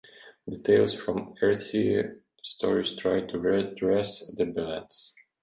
The "Tales from Earthsea" stories try to redress the balance.